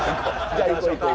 じゃあ行こう行こう。